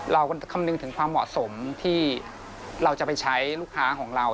คำนึงถึงความเหมาะสมที่เราจะไปใช้ลูกค้าของเรา